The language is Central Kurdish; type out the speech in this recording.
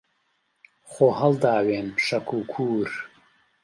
خۆ هەڵداوێن شەک و کوور